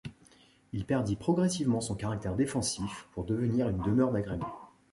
Il perdit progressivement son caractère défensif pour devenir une demeure d'agrément.